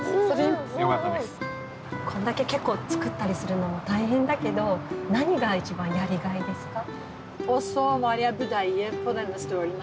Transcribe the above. こんだけ結構作ったりするのも大変だけど何が一番やりがいですか？